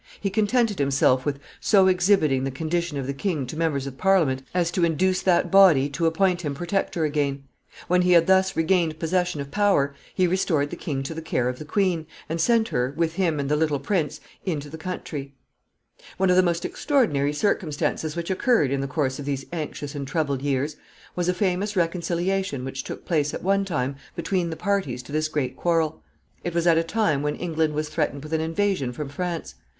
He contented himself with so exhibiting the condition of the king to members of Parliament as to induce that body to appoint him protector again. When he had thus regained possession of power, he restored the king to the care of the queen, and sent her, with him and the little prince, into the country. [Sidenote: Grand reconciliation.] [Sidenote: 1458.] [Sidenote: Mutual distrust.] One of the most extraordinary circumstances which occurred in the course of these anxious and troubled years was a famous reconciliation which took place at one time between the parties to this great quarrel. It was at a time when England was threatened with an invasion from France.